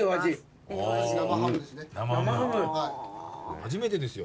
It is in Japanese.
初めてですよ